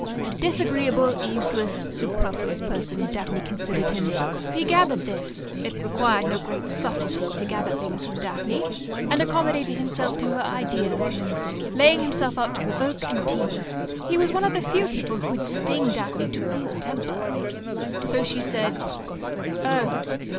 A disagreeable, useless, superfluous person, Daphne considered him. He gathered this; it required no great subtlety to gather things from Daphne; and accommodated himself to her idea of him, laying himself out to provoke and tease. He was one of the few people who could sting Daphne to real temper. So she said, "Oh."